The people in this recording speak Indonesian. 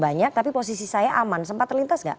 banyak tapi posisi saya aman sempat terlintas nggak